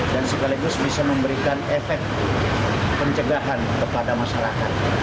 dan sekaligus bisa memberikan efek pencegahan kepada masyarakat